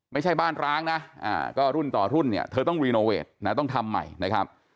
ไม่ใช่บ้านร้างนะก็รุ่นต่อรุ่นเนี่ยเธอต้องรีโนเวทนะต้องทำใหม่นะครับ